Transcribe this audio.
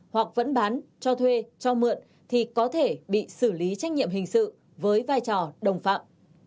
hoặc vẫn bán cho thuê cho mượn thì có thể bị xử lý trách nhiệm hình sự với vai trò đồng phạm